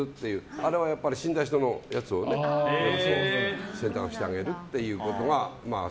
あれは死んだ人のやつを洗濯してあげるってことから。